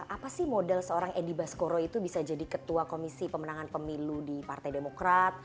apa sih model seorang edi baskoro itu bisa jadi ketua komisi pemenangan pemilu di partai demokrat